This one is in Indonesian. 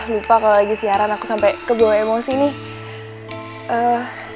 lupa kalau lagi siaran aku sampai kebawa emosi nih